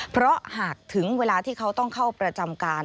เพราะหากถึงเวลาที่เขาต้องเข้าประจำการ